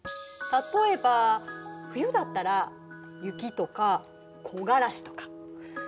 例えば冬だったら「雪」とか「木枯らし」とか。